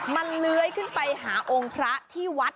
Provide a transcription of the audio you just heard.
มันเลื้อยขึ้นไปหาองค์พระที่วัด